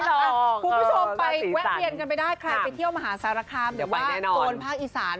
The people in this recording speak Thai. คุณผู้ชมไปแวะเวียนกันไปได้ใครไปเที่ยวมหาสารคามหรือว่าโซนภาคอีสาน